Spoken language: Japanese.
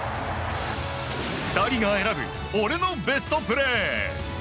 ２人が選ぶ、俺のベストプレー。